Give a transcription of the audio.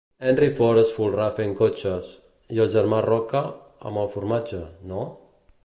-Henry Ford es folrà fent cotxes. -I el germà Roca amb el formatge, no...?